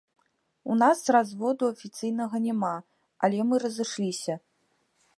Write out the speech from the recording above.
У нас разводу афіцыйнага няма, але мы разышліся.